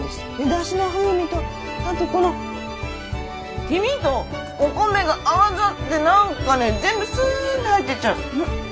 だしの風味とあとこの黄身とお米が合わさって何かね全部スッて入ってっちゃう。